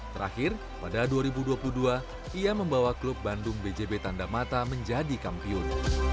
terakhir pada dua ribu dua puluh dua ia membawa klub bandung bjb tanda mata menjadi kampiun